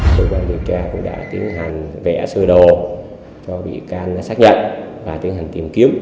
tổ quản địa ca cũng đã tiến hành vẽ sơ đồ cho bị can xác nhận và tiến hành tìm kiếm